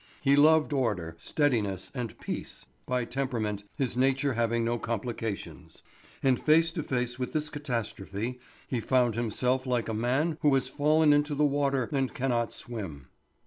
He loved order, steadiness, and peace, by temperament, his nature having no complications; and face to face with this catastrophe, he found himself like a man who has fallen into the water and cannot swim.